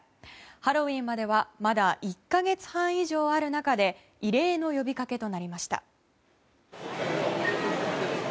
ハロウィーンまではまだ１か月半以上ある中で異例の呼びかけとなりました。